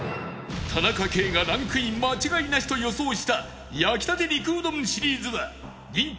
田中圭がランクイン間違いなしと予想した焼きたて肉うどんシリーズは人気